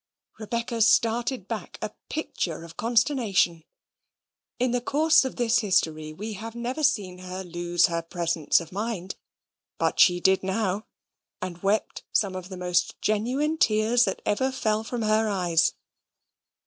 Rebecca started back a picture of consternation. In the course of this history we have never seen her lose her presence of mind; but she did now, and wept some of the most genuine tears that ever fell from her eyes.